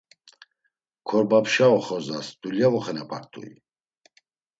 Korbapşa oxorzas dulya voxenapart̆ui?